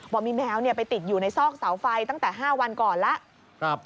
ว่ามีแมวไปติดอยู่ในซอกเสาไฟตั้งแต่๕วันก่อนแล้ว